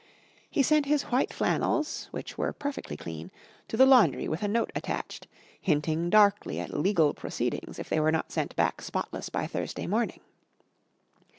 He sent his white flannels (which were perfectly clean) to the laundry with a note attached, hinting darkly at legal proceedings if they were not sent back, spotless, by Thursday morning.